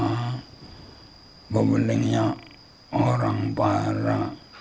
mbak buningnya orang para